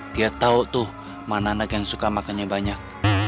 dia tau tuh mana anak yang suka makan banyak